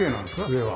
上は。